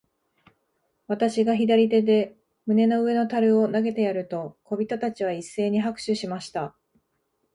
私が左手で胸の上の樽を投げてやると、小人たちは一せいに拍手しました。